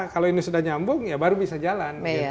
kalau ini sudah nyambung ya baru bisa jalan